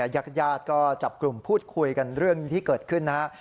ญาติญาติก็จับกลุ่มพูดคุยกันเรื่องที่เกิดขึ้นนะครับ